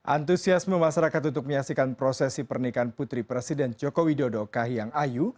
antusiasme masyarakat untuk menyaksikan prosesi pernikahan putri presiden joko widodo kahiyang ayu